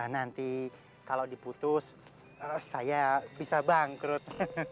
nanti kalau diputus saya bisa bangkrut